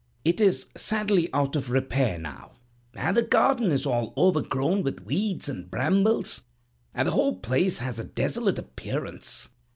It is sadly out of repair now, and the garden is all overgrown with weeds and brambles, and the whole place has a desolate appearance.